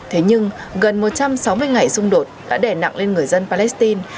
thế nhưng gần một trăm sáu mươi ngày xung đột đã đè nặng lên người dân palestine